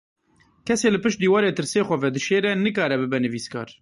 Kesê li pişt dîwarê tirsê xwe vedişêre, nikare bibe nivîskar.